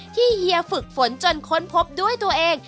เฮียฝึกฝนจนค้นพบด้วยตัวเอง